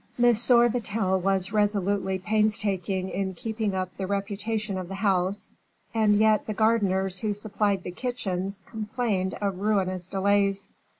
M. Vatel was resolutely painstaking in keeping up the reputation of the house, and yet the gardeners who supplied the kitchens complained of ruinous delays.